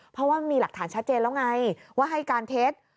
เพราะว่ามีหลักฐานชัดเจนแล้วไงว่าให้การเท็จ